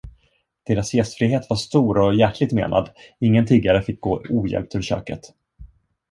Deras gästfrihet var stor och hjärtligt menad, ingen tiggare fick gå ohjälpt ur köket.